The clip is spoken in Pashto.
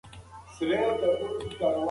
هغه به د هرې بیلچې خاورې په سر قدم واهه.